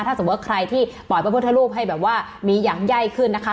ถ้าสมมุติว่าใครที่ปล่อยพระพุทธรูปให้แบบว่ามีอย่างไย่ขึ้นนะคะ